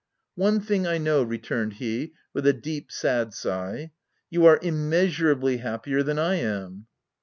" One thing I know," returned he, with a deep, sad sigh; " you are immeasureably happier than I am."